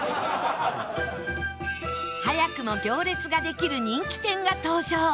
早くも行列ができる人気店が登場